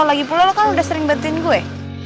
lagipula lo kan udah sering bantuin gue